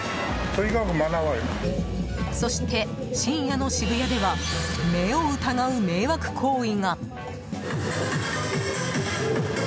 そして、深夜の渋谷では目を疑う迷惑行為が。